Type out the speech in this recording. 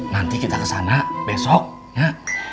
nanti kita ke sana besok nya